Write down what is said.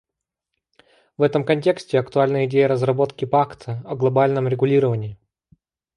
В этом контексте актуальна идея разработки пакта о глобальном регулировании.